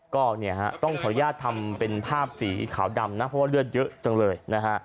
ก็เนี่ยฮะต้องขออนุญาตทำเป็นภาพสีขาวดำนะเพราะว่าเลือดเยอะจังเลยนะฮะ